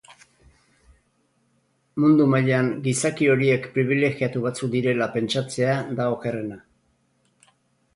Mundu mailan gizaki horiek pribilegiatu batzuk direla pentsatzea da okerrena.